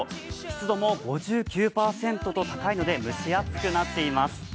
湿度も５９％と高いので蒸し暑くなっています。